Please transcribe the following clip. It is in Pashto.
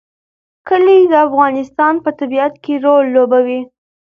کلي د افغانستان په طبیعت کې رول لوبوي.